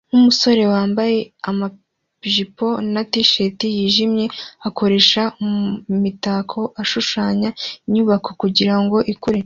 nkumusore wambaye amajipo na t-shirt yijimye ikoresha imitako ishushanya inyubako kugirango ikure